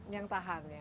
yang tahan ya